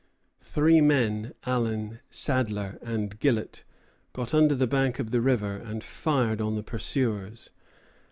Three men, Allen, Sadler, and Gillet, got under the bank of the river and fired on the pursuers.